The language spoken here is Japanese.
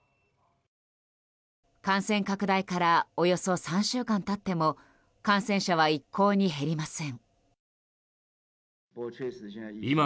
感染拡大からおよそ３週間経っても感染者はいっこうに減りません。